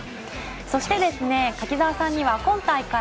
そして、柿澤さんには今大会